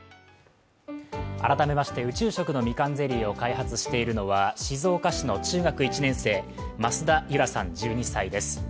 改めまして宇宙食の、みかんゼリーを開発しているのは、静岡市の中学１年生増田結桜さん１２歳です。